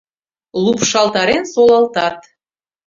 Лупшалтарен солалтат.